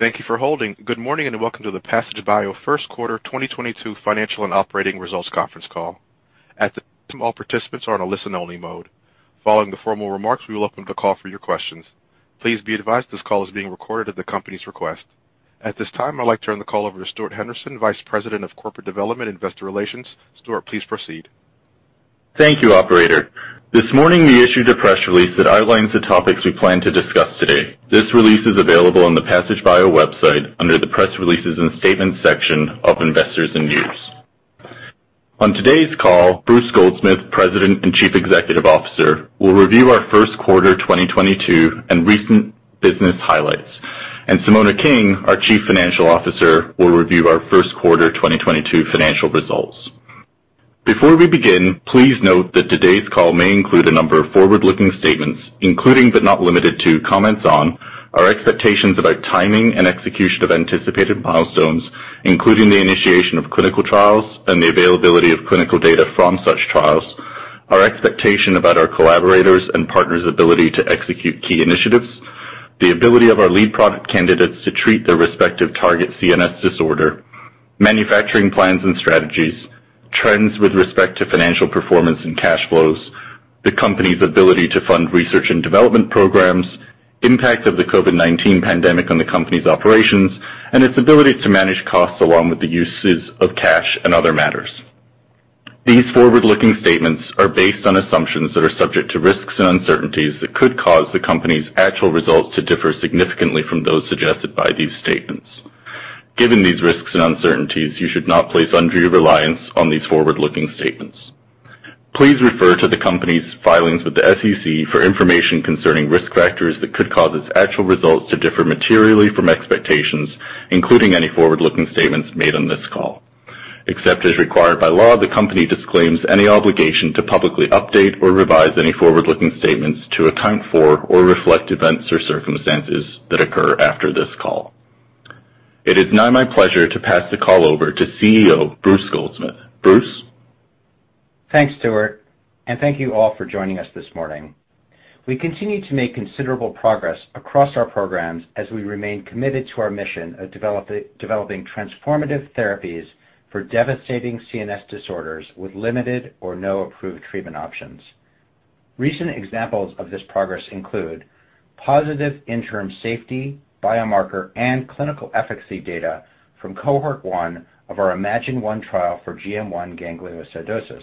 Thank you for holding. Good morning and welcome to the Passage Bio First Quarter 2022 Financial and Operating Results Conference Call. At this time, all participants are on a listen-only mode. Following the formal remarks, we will open up the call for your questions. Please be advised this call is being recorded at the company's request. At this time, I'd like to turn the call over to Stuart Henderson, Vice President of Corporate Development, Investor Relations. Stuart, please proceed. Thank you, operator. This morning we issued a press release that outlines the topics we plan to discuss today. This release is available on the Passage Bio website under the Press Releases and Statements section of Investors and News. On today's call, Bruce Goldsmith, President and Chief Executive Officer, will review our First Quarter 2022 and Recent Business Highlights, and Simona King, our Chief Financial Officer, will review our First Quarter 2022 Financial Results. Before we begin, please note that today's call may include a number of forward-looking statements, including, but not limited to, comments on our expectations about timing and execution of anticipated milestones, including the initiation of clinical trials and the availability of clinical data from such trials, our expectation about our collaborators' and partners' ability to execute key initiatives, the ability of our lead product candidates to treat their respective target CNS disorder, manufacturing plans and strategies, trends with respect to financial performance and cash flows, the company's ability to fund research and development programs, impact of the COVID-19 pandemic on the company's operations, and its ability to manage costs along with the uses of cash and other matters. These forward-looking statements are based on assumptions that are subject to risks and uncertainties that could cause the company's actual results to differ significantly from those suggested by these statements. Given these risks and uncertainties, you should not place undue reliance on these forward-looking statements. Please refer to the company's filings with the SEC for information concerning risk factors that could cause its actual results to differ materially from expectations, including any forward-looking statements made on this call. Except as required by law, the company disclaims any obligation to publicly update or revise any forward-looking statements to account for or reflect events or circumstances that occur after this call. It is now my pleasure to pass the call over to CEO Bruce Goldsmith. Bruce? Thanks, Stuart, and thank you all for joining us this morning. We continue to make considerable progress across our programs as we remain committed to our mission of developing transformative therapies for devastating CNS disorders with limited or no approved treatment options. Recent examples of this progress include positive interim safety, biomarker, and clinical efficacy data from cohort one of our Imagine-1 trial for GM1 gangliosidosis,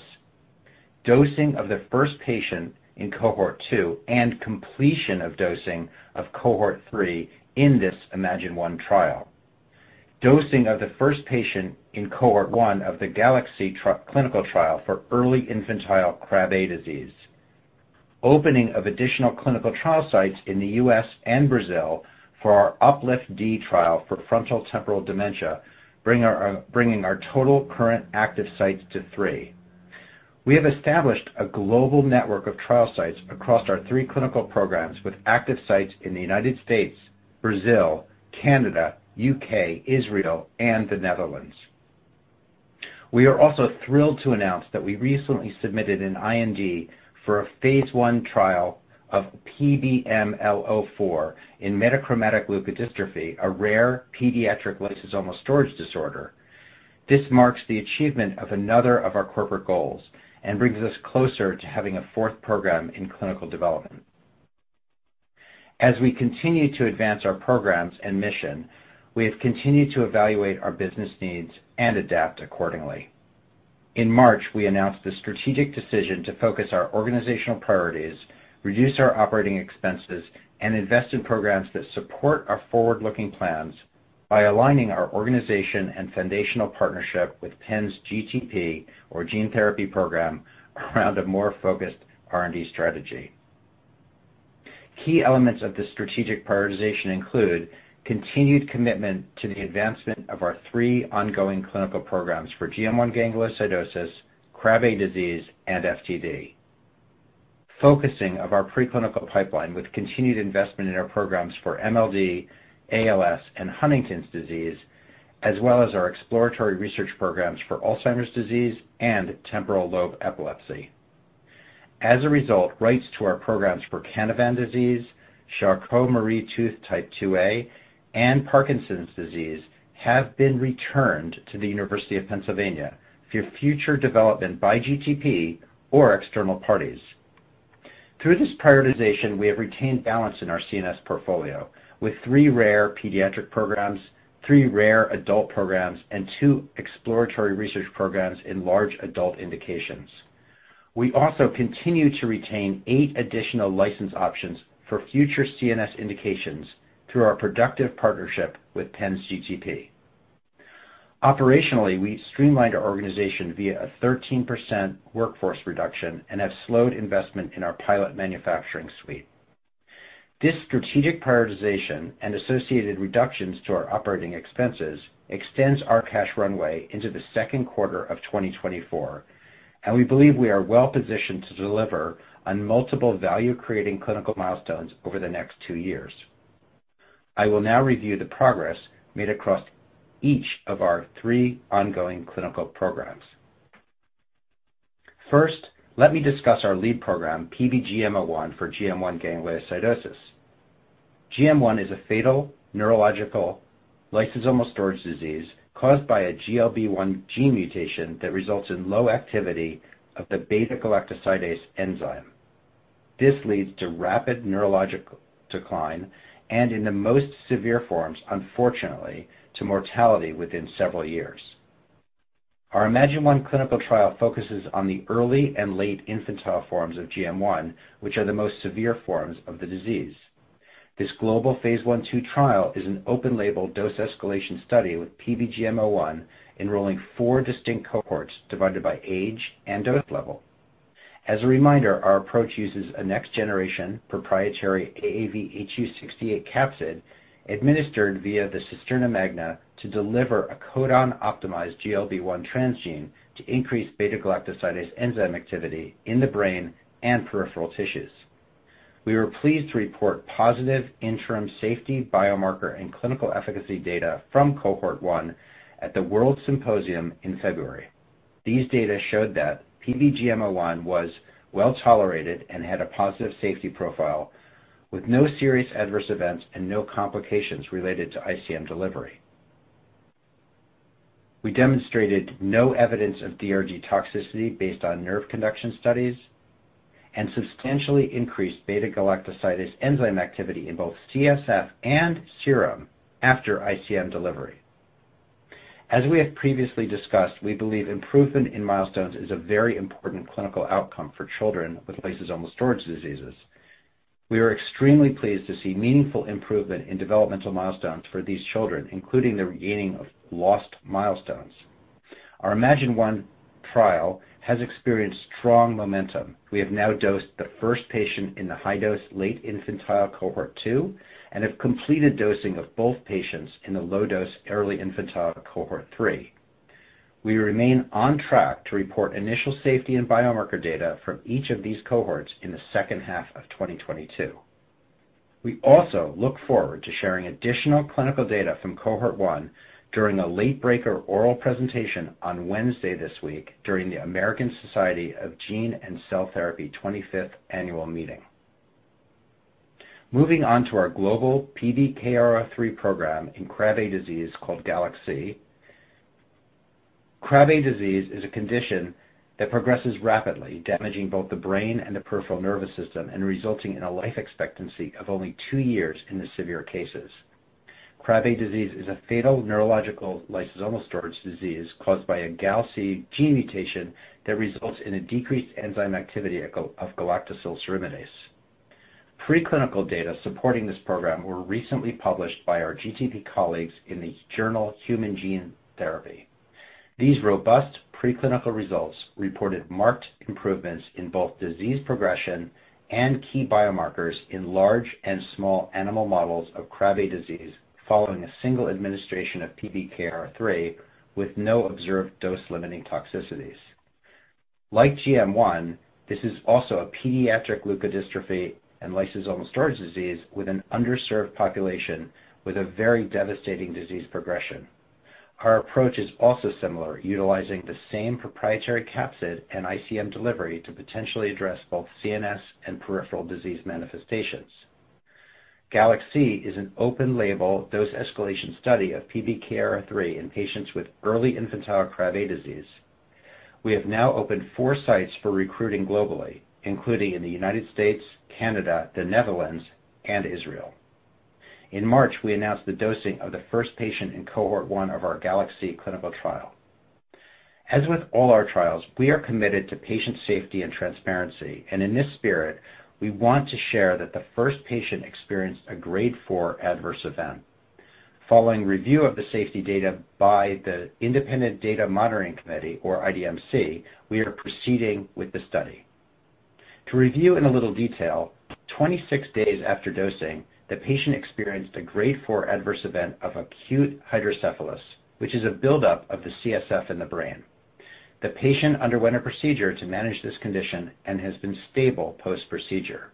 dosing of the first patient in cohort two and completion of dosing of cohort three in this Imagine-1 trial, dosing of the first patient in cohort one of the GALAX-C clinical trial for early infantile Krabbe disease, opening of additional clinical trial sites in the U.S. and Brazil for our UPLIFT-D trial for frontotemporal dementia, bringing our total current active sites to three. We have established a global network of trial sites across our three clinical programs with active sites in the United States, Brazil, Canada, U.K., Israel, and the Netherlands. We are also thrilled to announce that we recently submitted an IND for a phase I trial of PBML04 in metachromatic leukodystrophy, a rare pediatric lysosomal storage disorder. This marks the achievement of another of our corporate goals and brings us closer to having a fourth program in clinical development. As we continue to advance our programs and mission, we have continued to evaluate our business needs and adapt accordingly. In March, we announced the strategic decision to focus our organizational priorities, reduce our operating expenses, and invest in programs that support our forward-looking plans by aligning our organization and foundational partnership with Penn's GTP or gene therapy program around a more focused R&D strategy. Key elements of this strategic prioritization include continued commitment to the advancement of our three ongoing clinical programs for GM1 gangliosidosis, Krabbe disease, and FTD. Focusing of our preclinical pipeline with continued investment in our programs for MLD, ALS, and Huntington's disease, as well as our exploratory research programs for Alzheimer's disease and temporal lobe epilepsy. As a result, rights to our programs for Canavan disease, Charcot-Marie-Tooth disease type 2A, and Parkinson's disease have been returned to the University of Pennsylvania for future development by GTP or external parties. Through this prioritization, we have retained balance in our CNS portfolio with three rare pediatric programs, three rare adult programs, and two exploratory research programs in large adult indications. We also continue to retain eight additional license options for future CNS indications through our productive partnership with Penn's GTP. Operationally, we streamlined our organization via a 13% workforce reduction and have slowed investment in our pilot manufacturing suite. This strategic prioritization and associated reductions to our operating expenses extends our cash runway into the second quarter of 2024, and we believe we are well positioned to deliver on multiple value-creating clinical milestones over the next two years. I will now review the progress made across each of our three ongoing clinical programs. First, let me discuss our lead program, PBGM01 for GM1 gangliosidosis. GM1 is a fatal neurological lysosomal storage disease caused by a GLB1 gene mutation that results in low activity of the beta-galactosidase enzyme. This leads to rapid neurologic decline, and in the most severe forms, unfortunately, to mortality within several years. Our Imagine-1 clinical trial focuses on the early and late infantile forms of GM1, which are the most severe forms of the disease. This global phase 1/2 trial is an open label dose escalation study with PBGM01 enrolling four distinct cohorts divided by age and dose level. As a reminder, our approach uses a next generation proprietary AAVhu68 capsid administered via the cisterna magna to deliver a codon-optimized GLB1 transgene to increase beta-galactosidase enzyme activity in the brain and peripheral tissues. We were pleased to report positive interim safety biomarker and clinical efficacy data from cohort one at the WORLDSymposium in February. These data showed that PBGM01 was well-tolerated and had a positive safety profile with no serious adverse events and no complications related to ICM delivery. We demonstrated no evidence of DRG toxicity based on nerve conduction studies and substantially increased beta-galactosidase enzyme activity in both CSF and serum after ICM delivery. As we have previously discussed, we believe improvement in milestones is a very important clinical outcome for children with lysosomal storage diseases. We are extremely pleased to see meaningful improvement in developmental milestones for these children, including the regaining of lost milestones. Our Imagine-1 trial has experienced strong momentum. We have now dosed the first patient in the high-dose late infantile cohort two, and have completed dosing of both patients in the low-dose early infantile cohort three. We remain on track to report initial safety and biomarker data from each of these cohorts in the second half of 2022. We also look forward to sharing additional clinical data from cohort one during a late breaker oral presentation on Wednesday this week during the American Society of Gene & Cell Therapy 25th annual meeting. Moving on to our global PBKR03 program in Krabbe disease called GALAX-C. Krabbe disease is a condition that progresses rapidly, damaging both the brain and the peripheral nervous system and resulting in a life expectancy of only two years in the severe cases. Krabbe disease is a fatal neurological lysosomal storage disease caused by a GALC gene mutation that results in a decreased enzyme activity of galactosylceramidase. Preclinical data supporting this program were recently published by our GTP colleagues in the journal Human Gene Therapy. These robust preclinical results reported marked improvements in both disease progression and key biomarkers in large and small animal models of Krabbe disease following a single administration of PBKR03 with no observed dose limiting toxicities. Like GM1, this is also a pediatric leukodystrophy and lysosomal storage disease with an underserved population with a very devastating disease progression. Our approach is also similar, utilizing the same proprietary capsid and ICM delivery to potentially address both CNS and peripheral disease manifestations. GALAX-C is an open label dose escalation study of PBKR03 in patients with early infantile Krabbe disease. We have now opened four sites for recruiting globally, including in the United States, Canada, the Netherlands, and Israel. In March, we announced the dosing of the first patient in cohort one of our GALax-C clinical trial. As with all our trials, we are committed to patient safety and transparency, and in this spirit, we want to share that the first patient experienced a grade four adverse event. Following review of the safety data by the Independent Data Monitoring Committee or IDMC, we are proceeding with the study. To review in a little detail, 26 days after dosing, the patient experienced a grade four adverse event of acute hydrocephalus, which is a buildup of the CSF in the brain. The patient underwent a procedure to manage this condition and has been stable post-procedure.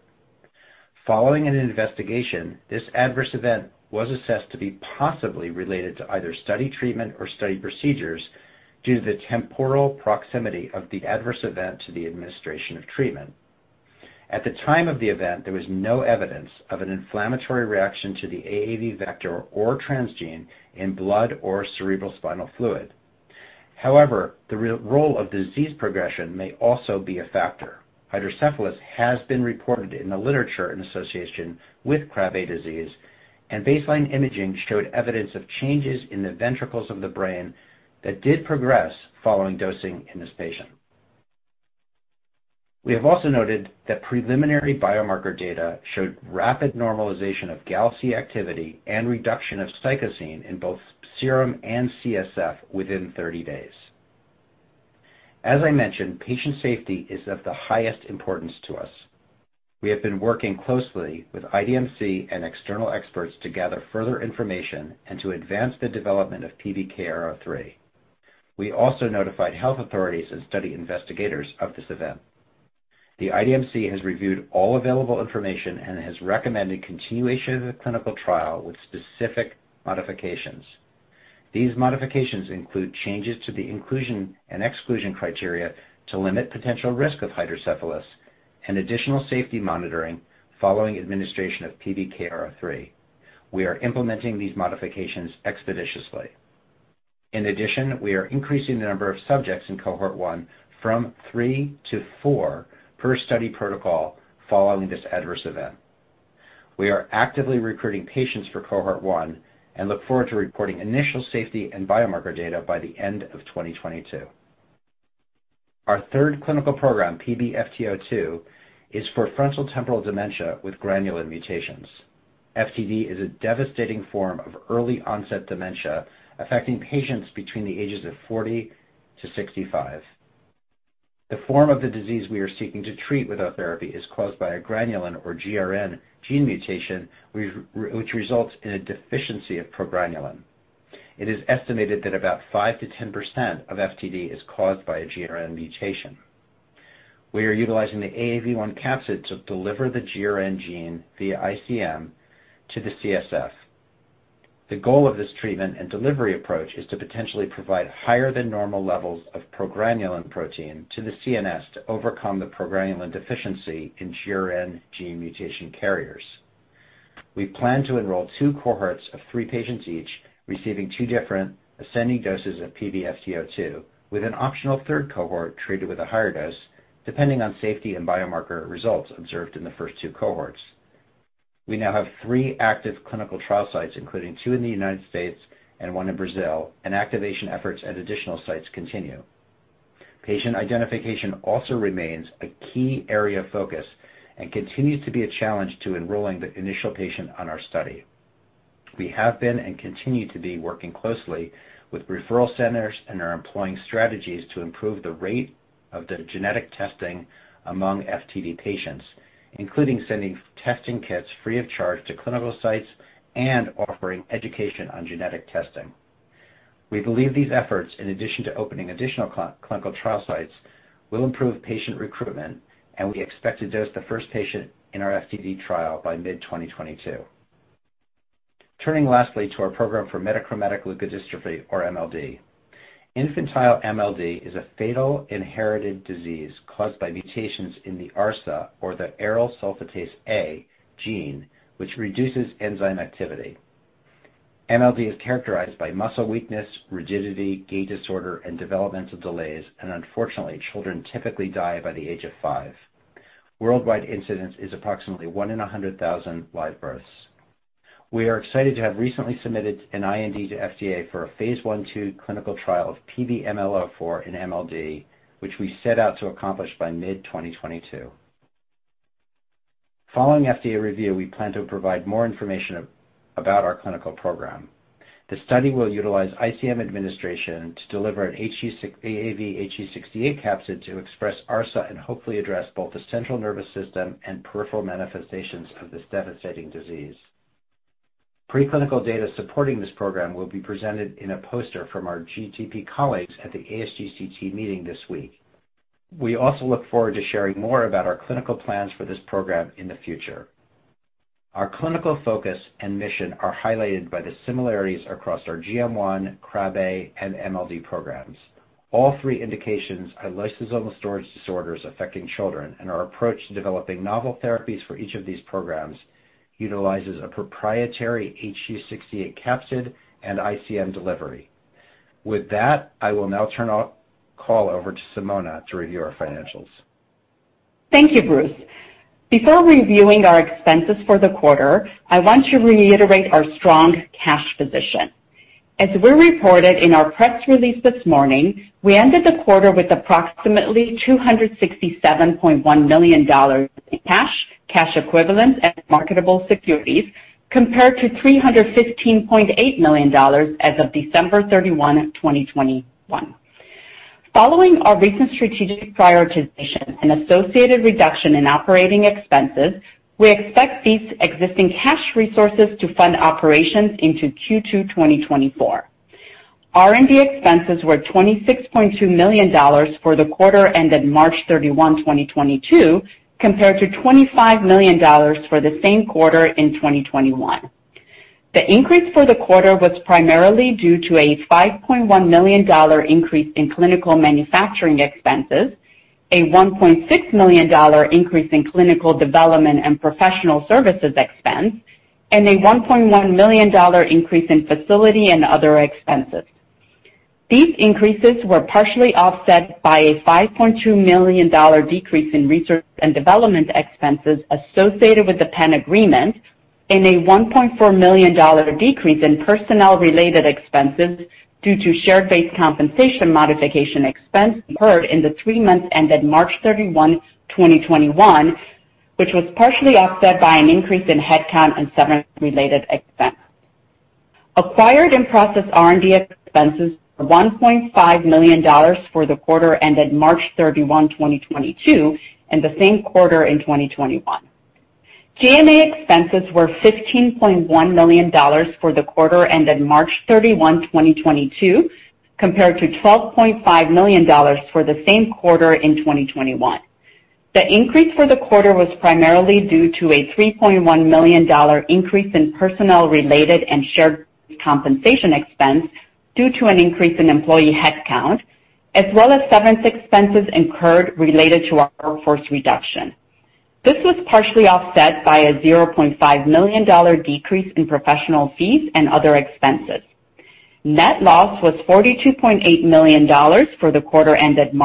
Following an investigation, this adverse event was assessed to be possibly related to either study treatment or study procedures due to the temporal proximity of the adverse event to the administration of treatment. At the time of the event, there was no evidence of an inflammatory reaction to the AAV vector or transgene in blood or cerebrospinal fluid. However, the role of disease progression may also be a factor. Hydrocephalus has been reported in the literature in association with Krabbe disease, and baseline imaging showed evidence of changes in the ventricles of the brain that did progress following dosing in this patient. We have also noted that preliminary biomarker data showed rapid normalization of GALC activity and reduction of psychosine in both serum and CSF within 30 days. As I mentioned, patient safety is of the highest importance to us. We have been working closely with IDMC and external experts to gather further information and to advance the development of PBKR03. We also notified health authorities and study investigators of this event. The IDMC has reviewed all available information and has recommended continuation of the clinical trial with specific modifications. These modifications include changes to the inclusion and exclusion criteria to limit potential risk of hydrocephalus and additional safety monitoring following administration of PBKR03. We are implementing these modifications expeditiously. In addition, we are increasing the number of subjects in cohort one from three to four per study protocol following this adverse event. We are actively recruiting patients for cohort one and look forward to reporting initial safety and biomarker data by the end of 2022. Our third clinical program, PB-FT02, is for frontotemporal dementia with progranulin mutations. FTD is a devastating form of early-onset dementia affecting patients between the ages of 40-65. The form of the disease we are seeking to treat with our therapy is caused by a progranulin or GRN gene mutation, which results in a deficiency of progranulin. It is estimated that about 5%-10% of FTD is caused by a GRN mutation. We are utilizing the AAV1 capsid to deliver the GRN gene via ICM to the CSF. The goal of this treatment and delivery approach is to potentially provide higher than normal levels of progranulin protein to the CNS to overcome the progranulin deficiency in GRN gene mutation carriers. We plan to enroll two cohorts of three patients each, receiving two different ascending doses of PBFT02, with an optional third cohort treated with a higher dose, depending on safety and biomarker results observed in the first two cohorts. We now have three active clinical trial sites, including two in the United States and one in Brazil, and activation efforts at additional sites continue. Patient identification also remains a key area of focus and continues to be a challenge to enrolling the initial patient on our study. We have been and continue to be working closely with referral centers and are employing strategies to improve the rate of the genetic testing among FTD patients, including sending testing kits free of charge to clinical sites and offering education on genetic testing. We believe these efforts, in addition to opening additional clinical trial sites, will improve patient recruitment, and we expect to dose the first patient in our FTD trial by mid-2022. Turning lastly to our program for Metachromatic leukodystrophy, or MLD. Infantile MLD is a fatal inherited disease caused by mutations in the ARSA or the arylsulfatase A gene, which reduces enzyme activity. MLD is characterized by muscle weakness, rigidity, gait disorder, and developmental delays, and unfortunately, children typically die by the age of five. Worldwide incidence is approximately one in 100,000 live births. We are excited to have recently submitted an IND to FDA for a phase 1/2 clinical trial of PBML04 in MLD, which we set out to accomplish by mid-2022. Following FDA review, we plan to provide more information about our clinical program. The study will utilize ICM administration to deliver an AAVhu68 capsid to express ARSA and hopefully address both the central nervous system and peripheral manifestations of this devastating disease. Preclinical data supporting this program will be presented in a poster from our GTP colleagues at the ASGCT meeting this week. We also look forward to sharing more about our clinical plans for this program in the future. Our clinical focus and mission are highlighted by the similarities across our GM1, Krabbe, and MLD programs. All three indications are lysosomal storage disorders affecting children, and our approach to developing novel therapies for each of these programs utilizes a proprietary AAVhu68 capsid and ICM delivery. With that, I will now turn our call over to Simona to review our financials. Thank you, Bruce. Before reviewing our expenses for the quarter, I want to reiterate our strong cash position. As we reported in our press release this morning, we ended the quarter with approximately $267.1 million in cash equivalents, and marketable securities, compared to $315.8 million as of 31 December 2021. Following our recent strategic prioritization and associated reduction in operating expenses, we expect these existing cash resources to fund operations into Q2 2024. R&D expenses were $26.2 million for the quarter ended March 31, 2022, compared to $25 million for the same quarter in 2021. The increase for the quarter was primarily due to a $5.1 million increase in clinical manufacturing expenses, a $1.6 million increase in clinical development and professional services expense, and a $1.1 million increase in facility and other expenses. These increases were partially offset by a $5.2 million decrease in research and development expenses associated with the Penn agreement and a $1.4 million decrease in personnel-related expenses due to share-based compensation modification expense incurred in the three months ended March 31, 2021, which was partially offset by an increase in headcount and severance-related expense. Acquired and processed R&D expenses were $1.5 million for the quarter ended 31 March 2022, and the same quarter in 2021. G&A expenses were $15.1 million for the quarter ended 31 March 2022, compared to $12.5 million for the same quarter in 2021. The increase for the quarter was primarily due to a $3.1 million increase in personnel-related and share-based compensation expense due to an increase in employee headcount, as well as severance expenses incurred related to our workforce reduction. This was partially offset by a $0.5 million decrease in professional fees and other expenses. Net loss was $42.8 million for the quarter ended 31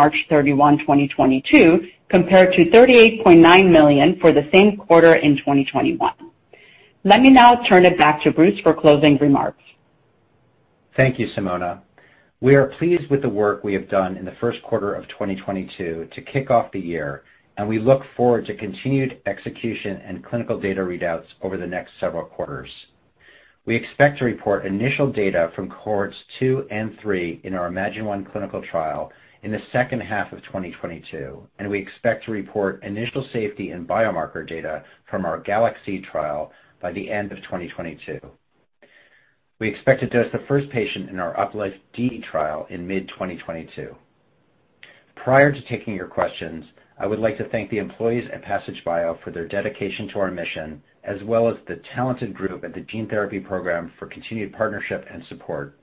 March 2022, compared to $38.9 million for the same quarter in 2021. Let me now turn it back to Bruce for closing remarks. Thank you, Simona. We are pleased with the work we have done in the first quarter of 2022 to kick off the year, and we look forward to continued execution and clinical data readouts over the next several quarters. We expect to report initial data from cohorts two and three in our Imagine One clinical trial in the second half of 2022, and we expect to report initial safety and biomarker data from our Galaxy trial by the end of 2022. We expect to dose the first patient in our Uplift D trial in mid-2022. Prior to taking your questions, I would like to thank the employees at Passage Bio for their dedication to our mission, as well as the talented group at the Gene Therapy Program for continued partnership and support.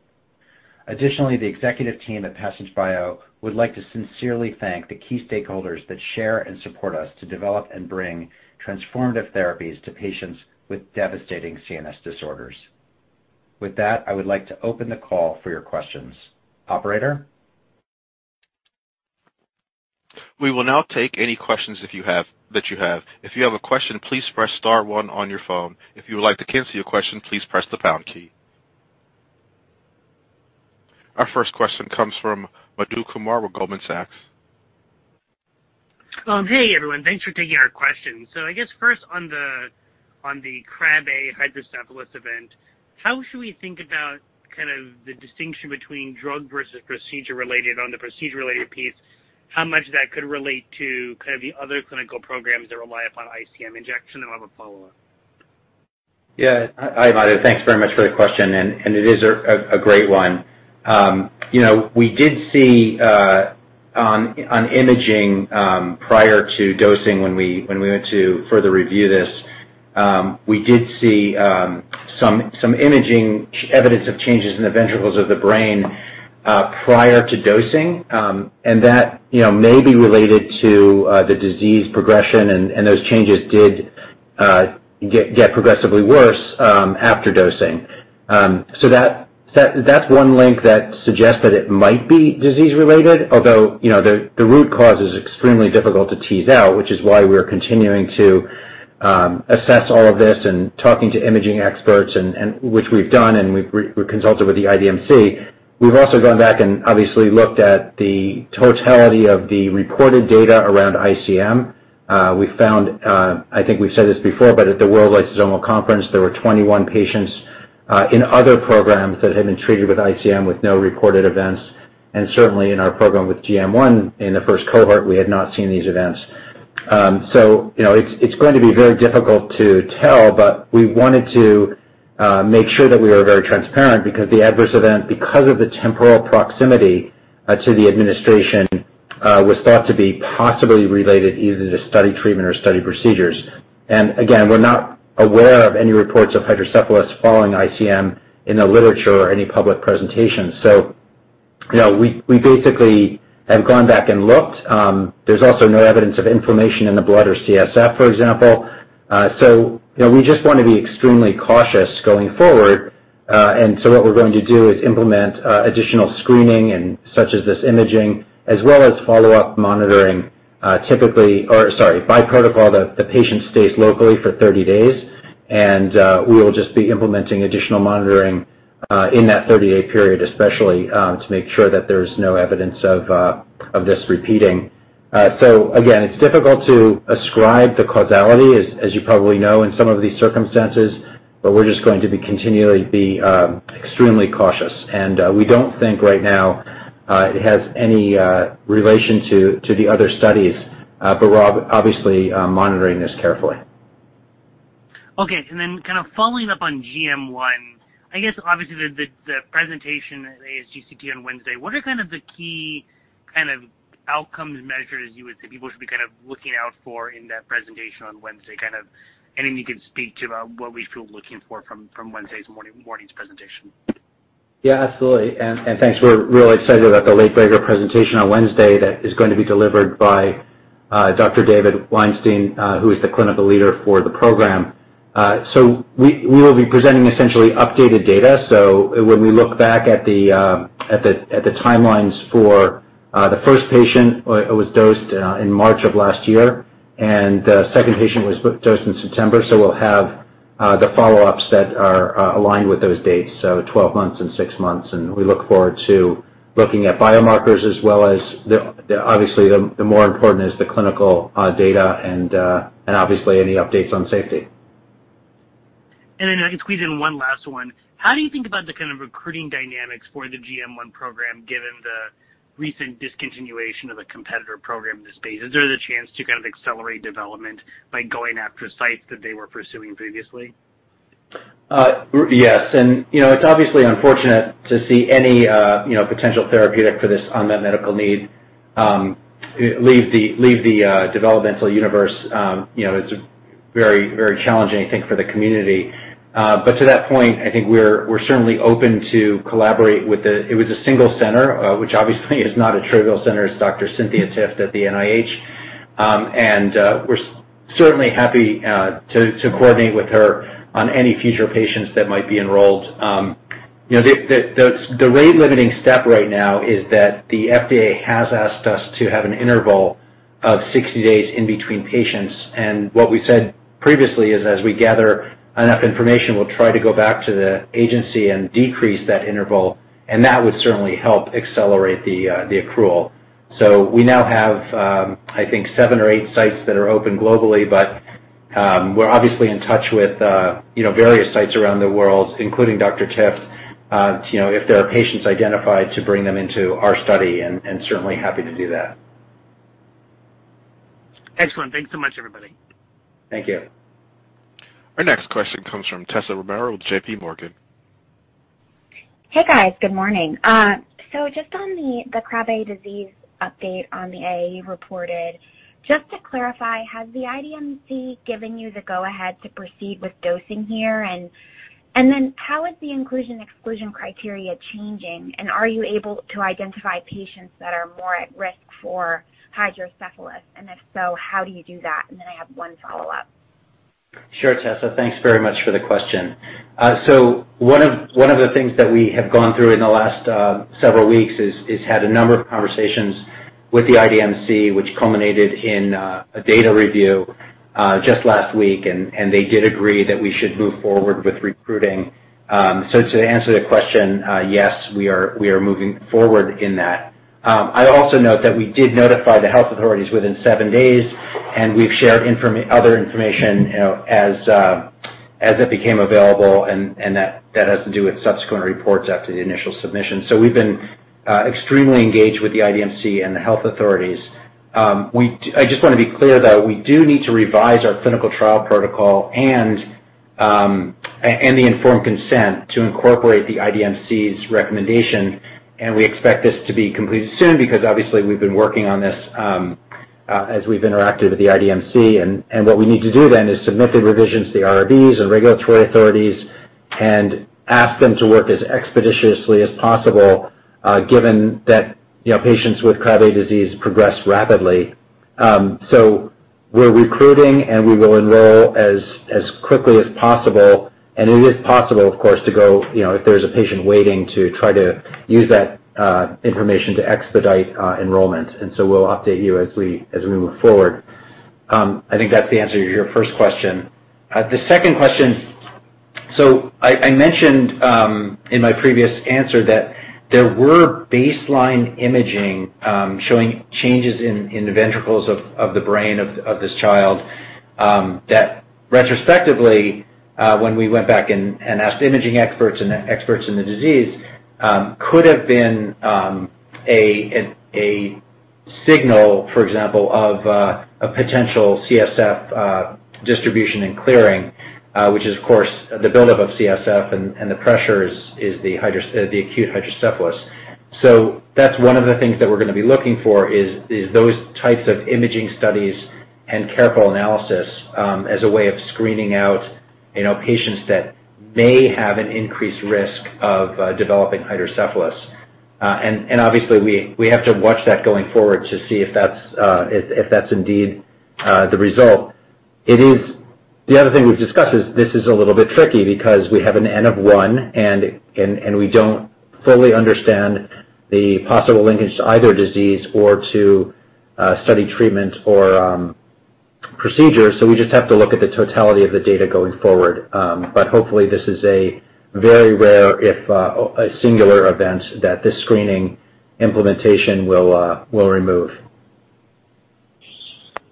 Additionally, the executive team at Passage Bio would like to sincerely thank the key stakeholders that share and support us to develop and bring transformative therapies to patients with devastating CNS disorders. With that, I would like to open the call for your questions. Operator? We will now take any questions if you have. If you have a question, please press star one on your phone. If you would like to cancel your question, please press the pound key. Our first question comes from Madhu Kumar with Goldman Sachs. Hey everyone. Thanks for taking our questions. I guess first on the Krabbe hydrocephalus event, how should we think about kind of the distinction between drug versus procedure-related? On the procedure-related piece, how much of that could relate to kind of the other clinical programs that rely upon ICM injection? I'll have a follow-up. Yeah. Hi, Madhu. Thanks very much for the question, and it is a great one. You know, we did see on imaging prior to dosing when we went to further review this, we did see some imaging evidence of changes in the ventricles of the brain prior to dosing, and that may be related to the disease progression and those changes did get progressively worse after dosing. So that is one link that suggests that it might be disease related, although the root cause is extremely difficult to tease out, which is why we're continuing to assess all of this and talking to imaging experts and which we've done, and we consulted with the IDMC. We've also gone back and obviously looked at the totality of the reported data around ICM. We found, I think we've said this before, but at the World Lysosomal Conference, there were 21 patients in other programs that had been treated with ICM with no reported events. Certainly in our program with GM one in the first cohort, we had not seen these events. You know, it's going to be very difficult to tell, but we wanted to make sure that we were very transparent because the adverse event, because of the temporal proximity to the administration, was thought to be possibly related either to study treatment or study procedures. Again, we're not aware of any reports of hydrocephalus following ICM in the literature or any public presentations. You know, we basically have gone back and looked. There's also no evidence of inflammation in the blood or CSF, for example. You know, we just want to be extremely cautious going forward. What we're going to do is implement additional screening and such as this imaging, as well as follow-up monitoring. Sorry, by protocol, the patient stays locally for 30 days, and we will just be implementing additional monitoring in that 30-day period, especially to make sure that there's no evidence of this repeating. Again, it's difficult to ascribe the causality, as you probably know, in some of these circumstances, but we're just going to be continually extremely cautious. We don't think right now it has any relation to the other studies, but we're obviously monitoring this carefully. Okay. Kind of following up on GM1, I guess obviously the presentation at ASGCT on Wednesday, what are kind of the key kind of outcomes measured, as you would say people should be kind of looking out for in that presentation on Wednesday? Kind of anything you could speak to about what we should be looking for from Wednesday's morning's presentation? Yeah, absolutely. Thanks. We're really excited about the late-breaker presentation on Wednesday that is going to be delivered by Dr. David Weinstein, who is the clinical leader for the program. We will be presenting essentially updated data. When we look back at the timelines for the first patient was dosed in March of last year, and the second patient was dosed in September. We'll have the follow-ups that are aligned with those dates, 12 months and 6 months. We look forward to looking at biomarkers as well as the obviously the more important is the clinical data and obviously any updates on safety. I can squeeze in one last one. How do you think about the kind of recruiting dynamics for the GM1 program, given the recent discontinuation of a competitor program in this space? Is there the chance to kind of accelerate development by going after sites that they were pursuing previously? Yes. You know, it's obviously unfortunate to see any potential therapeutic for this unmet medical need leave the developmental universe. You know, it's very challenging, I think, for the community. To that point, I think we're certainly open to collaborate. It was a single center, which obviously is not a trivial center. It's Dr. Cynthia Tifft at the NIH. We're certainly happy to coordinate with her on any future patients that might be enrolled. You know, the rate limiting step right now is that the FDA has asked us to have an interval of 60 days in between patients. What we said previously is, as we gather enough information, we'll try to go back to the agency and decrease that interval, and that would certainly help accelerate the accrual. We now have, I think seven or eight sites that are open globally, but we're obviously in touch with, you know, various sites around the world, including Dr. Tifft. You know, if there are patients identified to bring them into our study and certainly happy to do that. Excellent. Thanks so much, everybody. Thank you. Our next question comes from Tessa Romero with JPMorgan. Hey, guys. Good morning. Just on the Krabbe disease update on the AE reported, just to clarify, has the IDMC given you the go ahead to proceed with dosing here? Then how is the inclusion/exclusion criteria changing, and are you able to identify patients that are more at risk for hydrocephalus? And if so, how do you do that? Then I have one follow-up. Sure, Tessa, thanks very much for the question. One of the things that we have gone through in the last several weeks is had a number of conversations with the IDMC, which culminated in a data review just last week, and they did agree that we should move forward with recruiting. To answer your question, yes, we are moving forward in that. I'd also note that we did notify the health authorities within seven days, and we've shared other information, you know, as it became available. That has to do with subsequent reports after the initial submission. We've been extremely engaged with the IDMC and the health authorities. I just wanna be clear, though, we do need to revise our clinical trial protocol and the informed consent to incorporate the IDMC's recommendation. We expect this to be completed soon because obviously we've been working on this as we've interacted with the IDMC. What we need to do then is submit the revisions to the IRBs and regulatory authorities and ask them to work as expeditiously as possible, given that, you know, patients with Krabbe disease progress rapidly. We're recruiting, and we will enroll as quickly as possible. It is possible, of course, to go, you know, if there's a patient waiting, to try to use that information to expedite enrollment. We'll update you as we move forward. I think that's the answer to your first question. The second question. I mentioned in my previous answer that there were baseline imaging showing changes in the ventricles of the brain of this child that retrospectively, when we went back and asked imaging experts and experts in the disease, could have been a signal, for example, of a potential CSF distribution and clearing, which is of course the buildup of CSF and the pressure is the acute hydrocephalus. That's one of the things that we're gonna be looking for is those types of imaging studies and careful analysis as a way of screening out, you know, patients that may have an increased risk of developing hydrocephalus. Obviously we have to watch that going forward to see if that's indeed the result. It is. The other thing we've discussed is this a little bit tricky because we have an N of one and we don't fully understand the possible linkage to either disease or to study treatment or procedures, so we just have to look at the totality of the data going forward. Hopefully this is a very rare, if a singular event that this screening implementation will remove.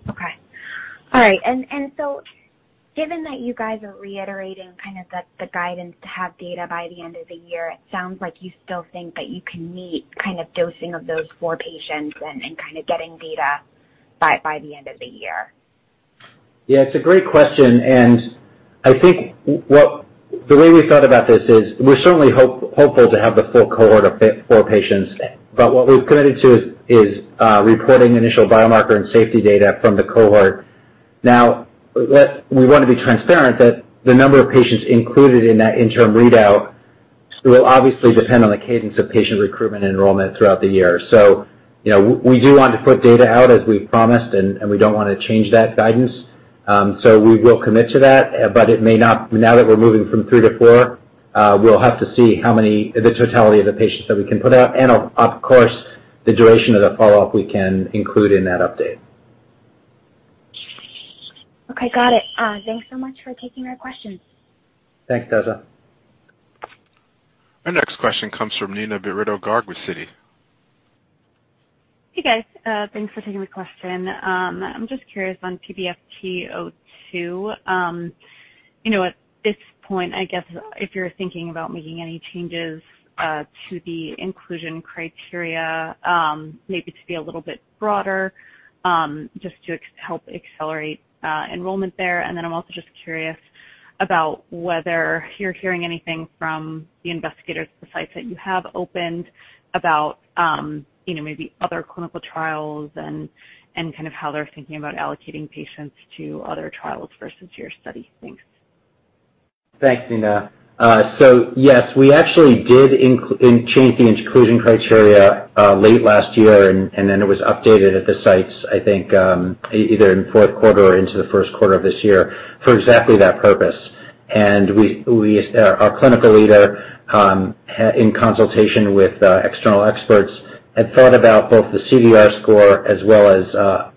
Okay. All right. Given that you guys are reiterating kind of the guidance to have data by the end of the year, it sounds like you still think that you can meet kind of dosing of those four patients and kind of getting data by the end of the year. Yeah, it's a great question, and I think the way we thought about this is we're certainly hopeful to have the full cohort of four patients. But what we've committed to is reporting initial biomarker and safety data from the cohort. Now, we wanna be transparent that the number of patients included in that interim readout will obviously depend on the cadence of patient recruitment and enrollment throughout the year. You know, we do want to put data out as we promised, and we don't wanna change that guidance. We will commit to that, but it may not. Now that we're moving from three to four, we'll have to see how many, the totality of the patients that we can put out and, of course, the duration of the follow-up we can include in that update. Okay, got it. Thanks so much for taking our questions. Thanks, Tessa. Our next question comes from Neena Bitritto-Garg with Citi. Hey guys, thanks for taking the question. I'm just curious on PBFT02, you know, at this point, I guess if you're thinking about making any changes to the inclusion criteria, maybe to be a little bit broader, just to help accelerate enrollment there. I'm also just curious about whether you're hearing anything from the investigators at the sites that you have opened about, you know, maybe other clinical trials and kind of how they're thinking about allocating patients to other trials versus your study. Thanks. Thanks, Neena. Yes, we actually did change the inclusion criteria late last year, and then it was updated at the sites, I think, either in fourth quarter or into the first quarter of this year for exactly that purpose. Our clinical leader in consultation with external experts had thought about both the CDR score as well as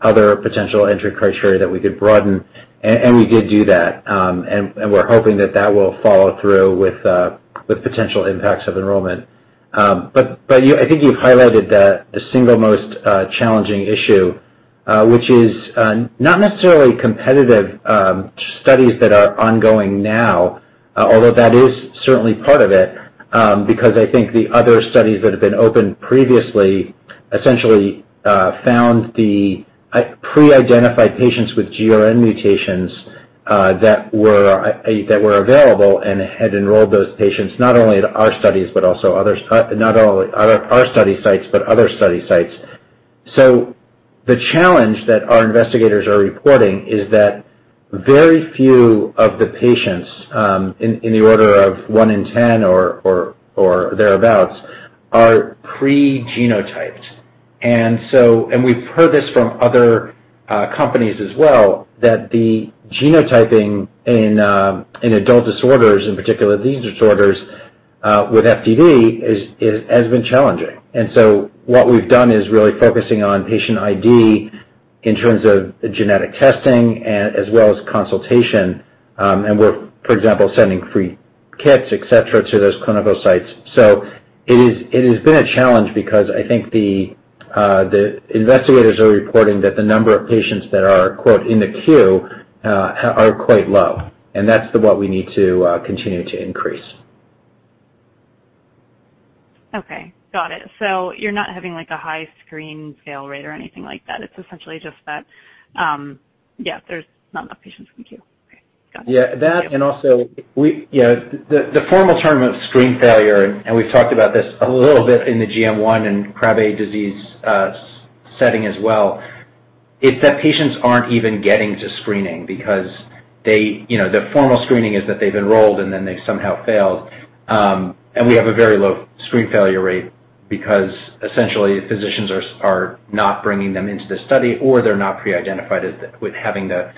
other potential entry criteria that we could broaden, and we did do that. We're hoping that will follow through with potential impacts of enrollment. You, I think, you've highlighted the single most challenging issue, which is not necessarily competitive studies that are ongoing now, although that is certainly part of it, because I think the other studies that have been opened previously essentially found the pre-identified patients with GRN mutations that were available and had enrolled those patients not only at our studies, but also others, not only our study sites, but other study sites. The challenge that our investigators are reporting is that very few of the patients, in the order of one in ten or thereabouts are pre-genotyped. We've heard this from other companies as well, that the genotyping in adult disorders in particular these disorders with FTD has been challenging. What we've done is really focusing on patient ID in terms of genetic testing as well as consultation, and we're, for example, sending free kits, et cetera, to those clinical sites. It has been a challenge because I think the investigators are reporting that the number of patients that are quote in the queue are quite low, and that's what we need to continue to increase. Okay. Got it. You're not having like a high screen fail rate or anything like that. It's essentially just that, yeah, there's not enough patients in the queue. Okay. Got it. Yeah. That and also we, you know, the formal term of screen failure, and we've talked about this a little bit in the GM1 and Krabbe disease setting as well. It's that patients aren't even getting to screening because they, you know, the formal screening is that they've enrolled and then they've somehow failed. We have a very low screen failure rate because essentially physicians are not bringing them into the study or they're not pre-identified as with having the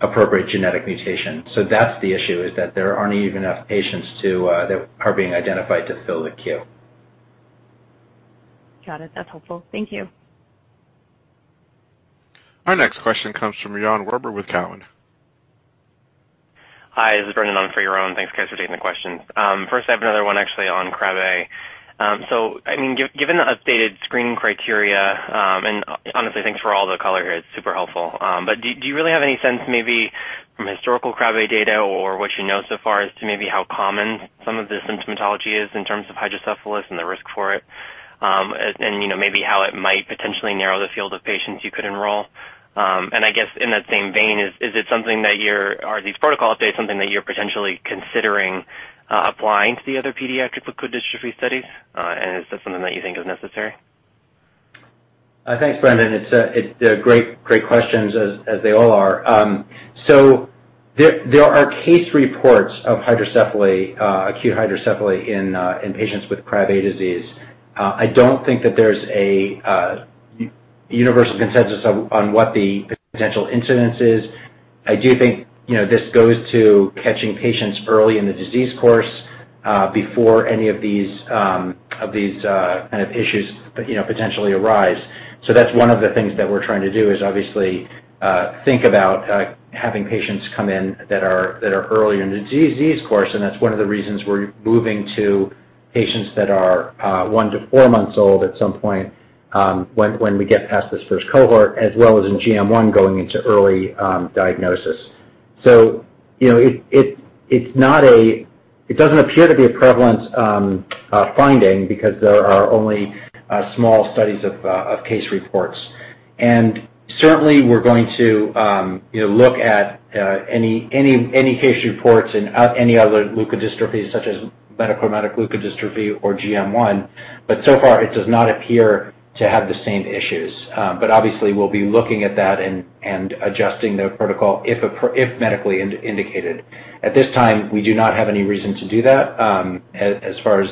appropriate genetic mutation. So that's the issue, is that there aren't even enough patients that are being identified to fill the queue. Got it. That's helpful. Thank you. Our next question comes from Yaron Werber with TD Cowen. Hi, this is Brendan on for Yaron. Thanks guys for taking the question. First I have another one actually on Krabbe. So I mean, given the updated screening criteria, and honestly, thanks for all the color here, it's super helpful. But do you really have any sense maybe from historical Krabbe data or what you know so far as to maybe how common some of the symptomatology is in terms of hydrocephalus and the risk for it? And you know, maybe how it might potentially narrow the field of patients you could enroll. And I guess in that same vein, are these protocol updates something that you're potentially considering applying to the other pediatric leukodystrophy studies? And is this something that you think is necessary? Thanks, Brendan. They're great questions as they all are. There are case reports of hydrocephalus, acute hydrocephalus in patients with Krabbe disease. I don't think that there's a universal consensus on what the potential incidence is. I do think, you know, this goes to catching patients early in the disease course, before any of these kind of issues, you know, potentially arise. That's one of the things that we're trying to do is obviously think about having patients come in that are early in the disease course, and that's one of the reasons we're moving to patients that are one to four months old at some point, when we get past this first cohort, as well as in GM1 going into early diagnosis. You know, it's not a prevalent finding because there are only small studies of case reports. Certainly we're going to, you know, look at any case reports and any other leukodystrophies such as metachromatic leukodystrophy or GM1. So far it does not appear to have the same issues. Obviously we'll be looking at that and adjusting the protocol if medically indicated. At this time, we do not have any reason to do that, as far as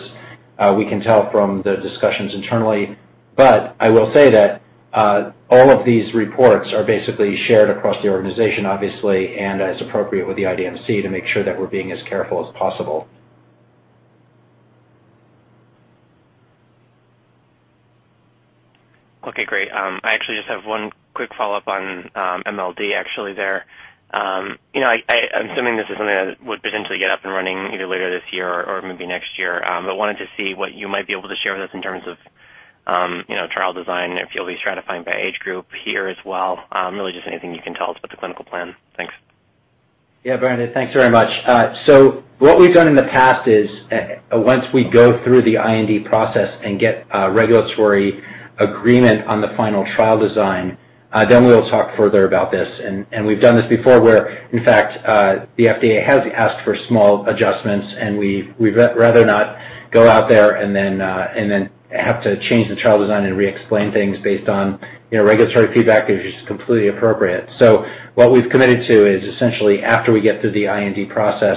we can tell from the discussions internally, but I will say that all of these reports are basically shared across the organization, obviously, and as appropriate with the IDMC to make sure that we're being as careful as possible. Okay, great. I actually just have one quick follow-up on MLD actually there. You know, I'm assuming this is something that would potentially get up and running either later this year or maybe next year, but wanted to see what you might be able to share with us in terms of you know, trial design, if you'll be stratifying by age group here as well. Really just anything you can tell us about the clinical plan. Thanks. Yeah, Brendan, thanks very much. What we've done in the past is, once we go through the IND process and get a regulatory agreement on the final trial design, then we will talk further about this. We've done this before where, in fact, the FDA has asked for small adjustments, and we'd rather not go out there and then have to change the trial design and re-explain things based on, you know, regulatory feedback is just completely appropriate. What we've committed to is essentially after we get through the IND process,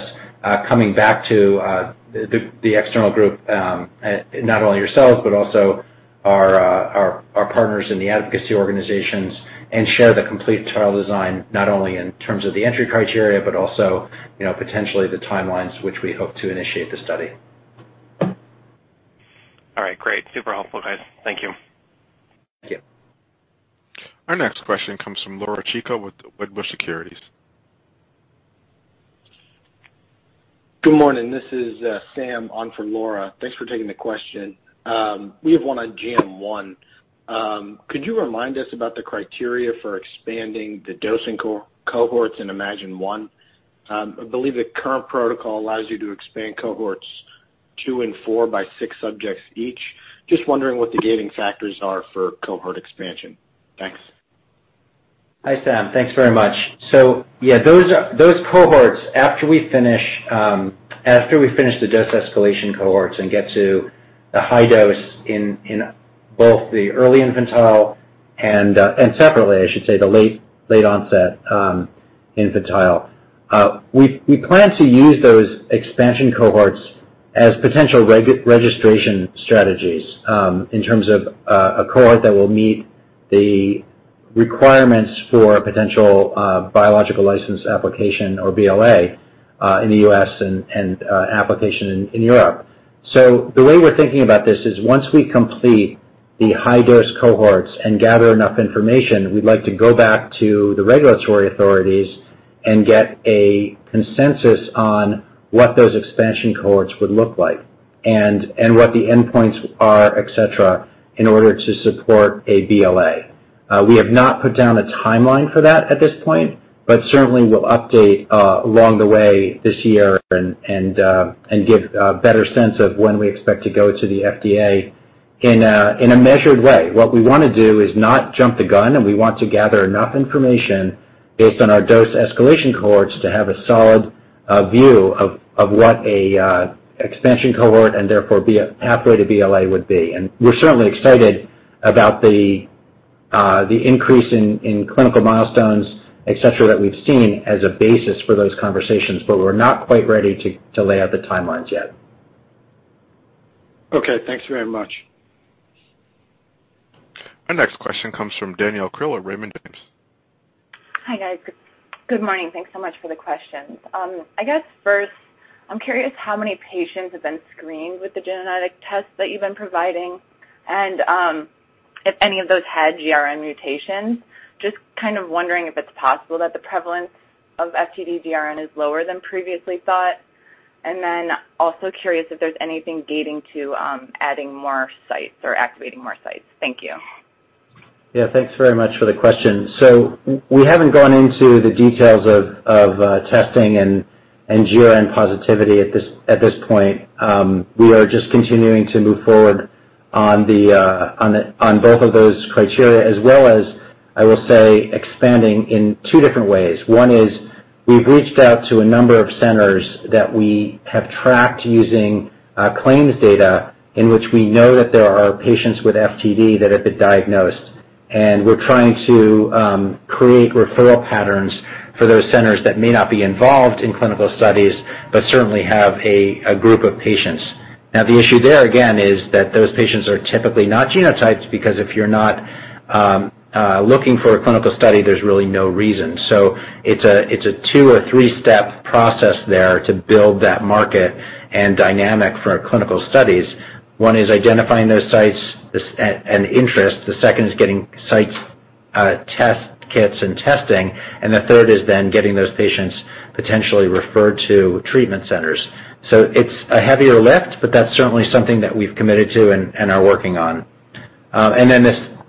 coming back to the external group, not only yourselves, but also our partners in the advocacy organizations and share the complete trial design, not only in terms of the entry criteria, but also, you know, potentially the timelines which we hope to initiate the study. All right, great. Super helpful, guys. Thank you. Thank you. Our next question comes from Laura Chico with Wedbush Securities. Good morning. This is Sam on for Laura. Thanks for taking the question. We have one on GM1. Could you remind us about the criteria for expanding the dosing cohorts in Imagine-1? I believe the current protocol allows you to expand cohorts two and four by six subjects each. Just wondering what the gating factors are for cohort expansion. Thanks. Hi, Sam. Thanks very much. Yeah, those cohorts, after we finish the dose escalation cohorts and get to the high dose in both the early infantile and separately, I should say, the late onset infantile, we plan to use those expansion cohorts as potential registration strategies, in terms of a cohort that will meet the requirements for potential biological license application or BLA in the U.S. and application in Europe. The way we're thinking about this is once we complete the high dose cohorts and gather enough information, we'd like to go back to the regulatory authorities and get a consensus on what those expansion cohorts would look like and what the endpoints are, et cetera, in order to support a BLA. We have not put down a timeline for that at this point, but certainly we'll update along the way this year and give a better sense of when we expect to go to the FDA in a measured way. What we wanna do is not jump the gun, and we want to gather enough information based on our dose escalation cohorts to have a solid view of what a expansion cohort and therefore be a pathway to BLA would be. We're certainly excited about the increase in clinical milestones, etc., that we've seen as a basis for those conversations, but we're not quite ready to lay out the timelines yet. Okay, thanks very much. Our next question comes from Danielle Brill of Raymond James. Hi, guys. Good morning. Thanks so much for the questions. I guess first, I'm curious how many patients have been screened with the genetic test that you've been providing, and, if any of those had GRN mutations. Just kind of wondering if it's possible that the prevalence of FTD GRN is lower than previously thought. Then also curious if there's anything gating to, adding more sites or activating more sites. Thank you. Yeah, thanks very much for the question. We haven't gone into the details of testing and GRN positivity at this point. We are just continuing to move forward on both of those criteria as well as, I will say, expanding in two different ways. One is we've reached out to a number of centers that we have tracked using claims data in which we know that there are patients with FTD that have been diagnosed, and we're trying to create referral patterns for those centers that may not be involved in clinical studies, but certainly have a group of patients. Now, the issue there again is that those patients are typically not genotyped because if you're not looking for a clinical study, there's really no reason. It's a two or three-step process there to build that market and dynamic for our clinical studies. One is identifying those sites and interest. The second is getting sites test kits and testing, and the third is then getting those patients potentially referred to treatment centers. It's a heavier lift, but that's certainly something that we've committed to and are working on.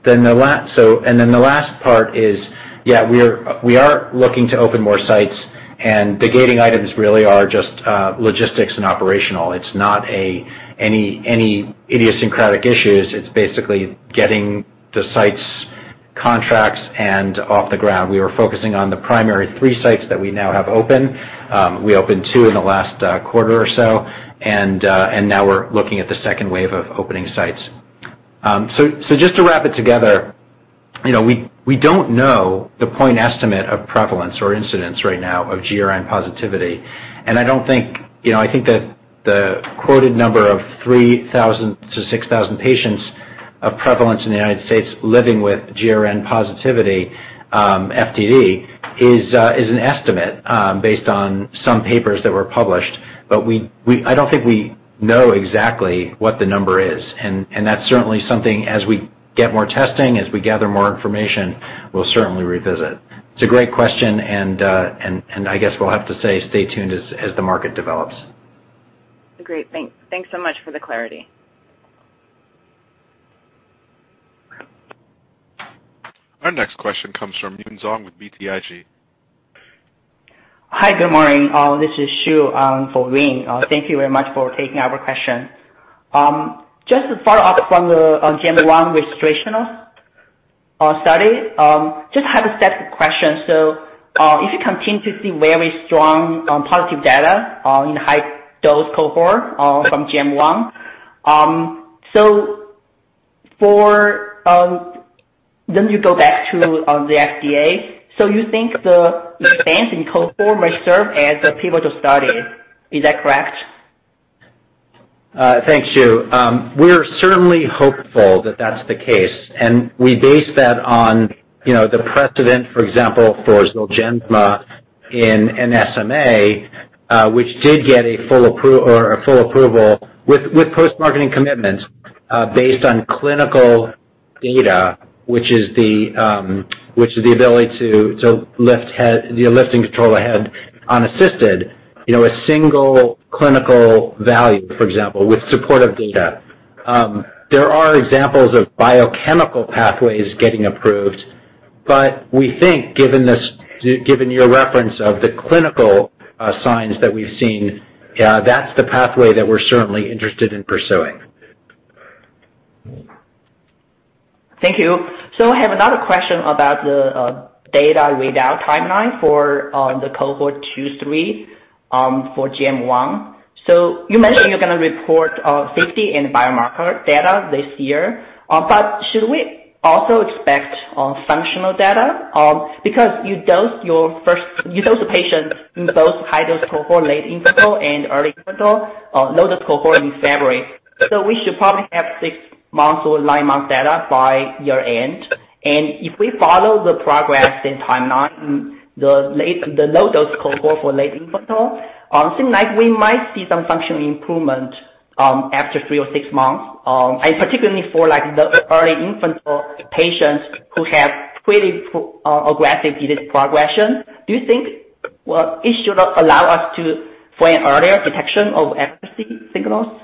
The last part is, yeah, we are looking to open more sites, and the gating items really are just logistics and operational. It's not any idiosyncratic issues. It's basically getting the sites contracts and off the ground. We were focusing on the primary 3 sites that we now have open. We opened two in the last quarter or so, and now we're looking at the second wave of opening sites. Just to wrap it together, you know, we don't know the point estimate of prevalence or incidence right now of GRN positivity. I don't think, you know, I think that the quoted number of 3,000-6,000 patients of prevalence in the United States living with GRN positivity, FTD is an estimate based on some papers that were published. I don't think we know exactly what the number is, and that's certainly something as we get more testing, as we gather more information, we'll certainly revisit. It's a great question and I guess we'll have to say stay tuned as the market develops. Great. Thanks. Thanks so much for the clarity. Our next question comes from [Yun Zhong] with BTIG. Hi, good morning. This is Xu for [Wayne]. Thank you very much for taking our question. Just a follow-up from the GM1 registration study. Just have a set of questions. If you continue to see very strong positive data in high dose cohort from GM1, then you go back to the FDA. You think the expansion cohort may serve as a pivotal study. Is that correct? Thanks, Xu. We're certainly hopeful that that's the case, and we base that on, you know, the precedent, for example, for Zolgensma in SMA, which did get a full approval with post-marketing commitments, based on clinical data, which is the ability to lift head, the lifting control head unassisted, you know, a single clinical value, for example, with supportive data. There are examples of biochemical pathways getting approved, but we think, given your reference of the clinical signs that we've seen, that's the pathway that we're certainly interested in pursuing. Thank you. I have another question about the data readout timeline for the Cohort 2/3 for GM1. You mentioned you're gonna report safety and biomarker data this year. Should we also expect functional data? Because you dosed the patient in both high-dose cohort, late interval and early interval, low-dose cohort in February. We should probably have six months or nine months data by year-end. If we follow the progress and timeline, the low-dose cohort for late interval seem like we might see some functional improvement after three or six months. Particularly for, like, the early infant patients who have pretty aggressive disease progression. Do you think, well, it should allow for an earlier detection of efficacy signals?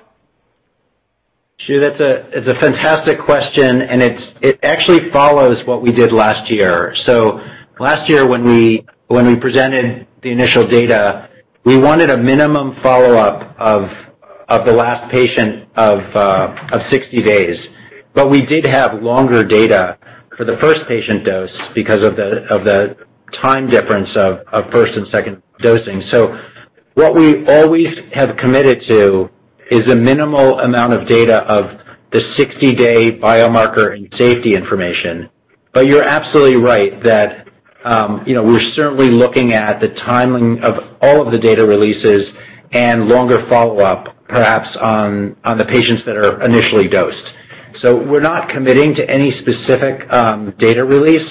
Xu, that's a fantastic question, and it actually follows what we did last year. Last year when we presented the initial data, we wanted a minimum follow-up of the last patient of 60 days. We did have longer data for the first patient dose because of the time difference of first and second dosing. What we always have committed to is a minimal amount of data of the 60-day biomarker and safety information. You're absolutely right that, you know, we're certainly looking at the timing of all of the data releases and longer follow-up, perhaps on the patients that are initially dosed. We're not committing to any specific data release.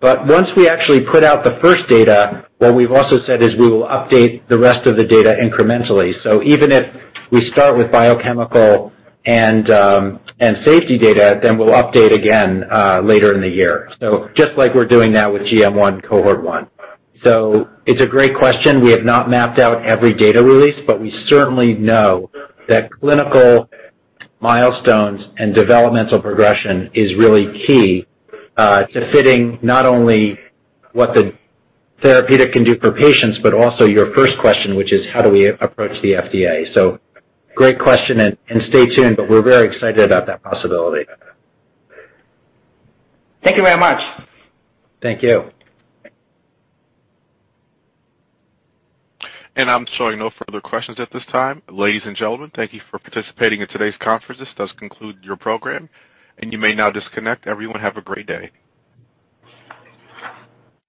Once we actually put out the first data, what we've also said is we will update the rest of the data incrementally. Even if we start with biochemical and safety data, then we'll update again later in the year. Just like we're doing now with GM1, Cohort one. It's a great question. We have not mapped out every data release, but we certainly know that clinical milestones and developmental progression is really key to fitting not only what the therapeutic can do for patients, but also your first question, which is how do we approach the FDA. Great question and stay tuned, but we're very excited about that possibility. Thank you very much. Thank you. I'm showing no further questions at this time. Ladies and gentlemen, thank you for participating in today's conference. This does conclude your program, and you may now disconnect. Everyone, have a great day.